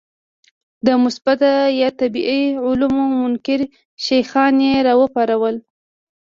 د مثبته یا طبیعي علومو منکر شیخان یې راوپارول.